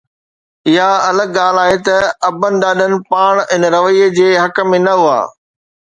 اها الڳ ڳالهه آهي ته ابن ڏاڏن پاڻ ان رويي جي حق ۾ نه هئا.